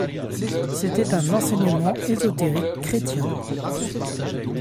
C'était un enseignement ésotérique chrétien.